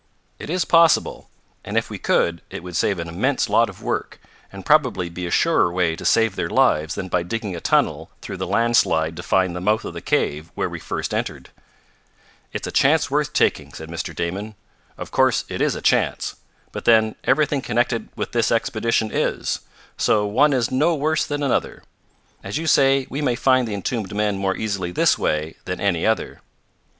It is possible, and if we could it would save an immense lot of work, and probably be a surer way to save their lives than by digging a tunnel through the landslide to find the mouth of the cave where we first entered." "It's a chance worth taking," said Mr. Damon. "Of course it is a chance. But then everything connected with this expedition is; so one is no worse than another. As you say, we may find the entombed men more easily this way than any other."